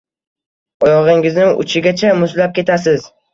Oyog‘ingizni uchigacha muzlab ketasiz.